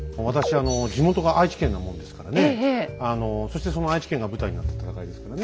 あのそしてその愛知県が舞台になった戦いですからね。